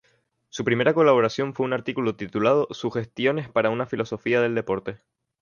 Su primera colaboración fue un artículo titulado "Sugestiones para una filosofía del deporte.